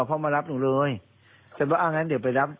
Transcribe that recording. พ่อมารับหนูเลยฉันว่าอ่างั้นเดี๋ยวไปรับ